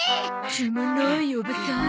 注文の多いおばさーん。